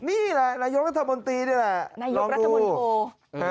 นี่แหละนายกรัฐมนตรีนี่แหละนายกรัฐมนตรี